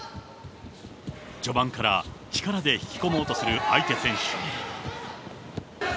序盤から力で引き込もうとする相手選手。